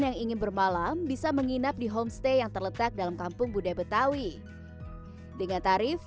yang ingin bermalam bisa menginap di homestay yang terletak dalam kampung budaya betawi dengan tarif